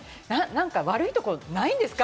悪いところないんですか？